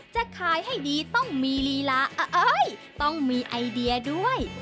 จะขายให้ดีต้องมีลีลาเอ้ยต้องมีไอเดียด้วย